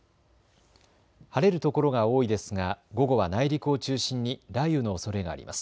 晴れる所が多いですが午後は内陸を中心に雷雨のおそれがあります。